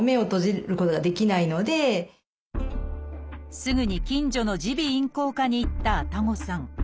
すぐに近所の耳鼻咽喉科に行った愛宕さん。